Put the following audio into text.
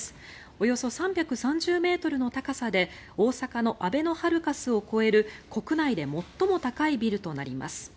およそ３３０ｍの高さで大阪のあべのハルカスを超える国内で最も高いビルとなります。